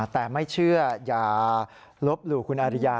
แต่ไม่เชื่ออย่าลบหลู่คุณอาริยา